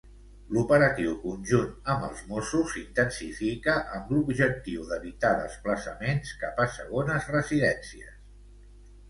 L'operatiu conjunt amb els Mossos s'intensifica amb l'objectiu d'evitar desplaçaments cap a segones residències.